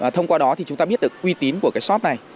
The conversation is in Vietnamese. thông qua đó thì chúng ta biết được uy tín của cái shop này